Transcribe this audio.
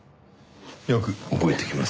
よく覚えておきます。